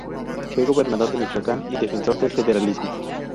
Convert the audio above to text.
Fue gobernador de Michoacán y defensor del federalismo.